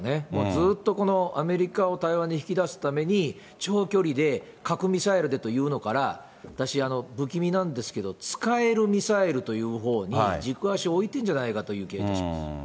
ずっとアメリカを対話に引き出すために、長距離で、核・ミサイルでというのから、私、不気味なんですけど、使えるミサイルというほうに、軸足置いてんじゃないかという気がいたします。